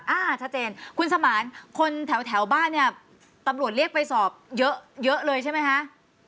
อ่าชัดเจนคุณสมานคนแถวบ้านเนี่ยตำรวจเรียกไปสอบเยอะเลยใช่ไหมคะ